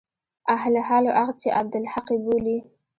اهل حل و عقد چې عبدالحق يې بولي.